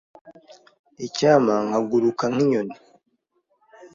Icyampa nkaguruka nkinyoni.